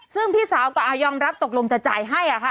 ซึ่งพี่สาวก็ยอมรับตกลงจะจ่ายให้ค่ะ